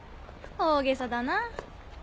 大げさだなぁ。